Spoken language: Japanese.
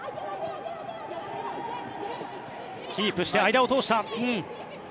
キープして、間を通した。